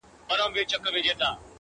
څنگه به هغه له ياده وباسم،